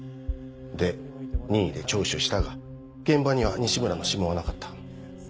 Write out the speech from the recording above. で任意で聴取したが現場には西村の指紋はなかった。